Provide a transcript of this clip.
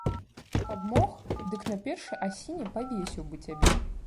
Каб мог, дык на першай асіне павесіў быў цябе.